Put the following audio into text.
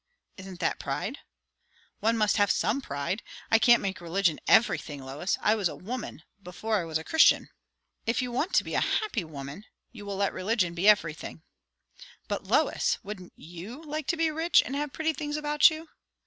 "Isn't that pride?" "One must have some pride. I can't make religion everything, Lois. I was a woman before I was a Christian." "If you want to be a happy woman, you will let religion be everything." "But, Lois! wouldn't you like to be rich, and have pretty things about you?"